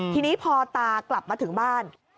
ทีนี้พอตากลับมาถึงบ้าน